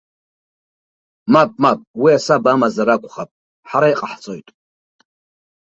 Мап, мап, уи асаба амазар акәхап ҳара иҟаҳҵоит!